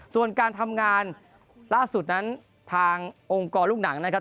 ส่วนการทำงานล่าสุดนั้นทางองค์กรลูกหนังนะครับ